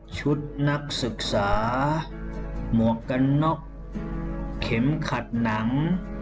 ชุดนักศึกษาหมวกกันน็อกเข็มขัดหนัง